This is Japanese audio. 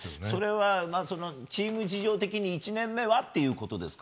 チーム事情的に１年目はということですか？